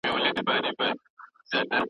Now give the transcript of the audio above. په ناحقه مال اخیستل ظلم دی.